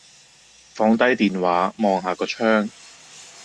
放低電話，望下個窗